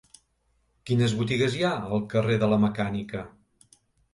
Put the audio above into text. Quines botigues hi ha al carrer de la Mecànica?